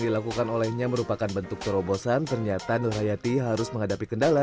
dilakukan olehnya merupakan bentuk terobosan ternyata nur hayati harus menghadapi kendala